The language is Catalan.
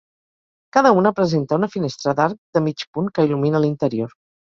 Cada una presenta una finestra d'arc de mig punt que il·lumina l'interior.